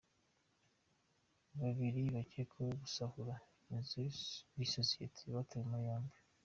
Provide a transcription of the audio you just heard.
Babiri bakekwaho gusahura inzu y’isosiyete batawe muri yombi